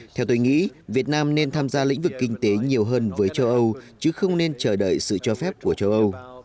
theo tôi nghĩ việt nam nên tham gia lĩnh vực kinh tế nhiều hơn với châu âu chứ không nên chờ đợi sự cho phép của châu âu